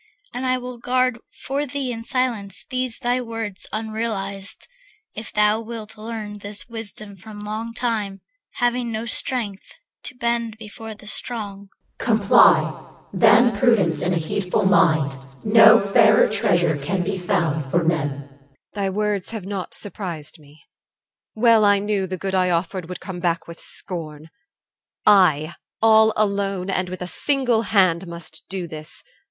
And I will guard for thee In silence these thy words unrealized; If thou wilt learn this wisdom from long time, Having no strength, to bend before the strong. CH. Comply. Than prudence and a heedful mind, No fairer treasure can be found for men. EL. Thy words have not surprised me. Well I knew The good I offered would come back with scorn. I, all alone and with a single hand, Must do this.